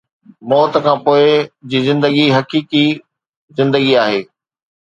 موت کان پوءِ جي زندگي حقيقي زندگي آهي